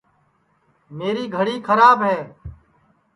میری گھڑی کھراب ہے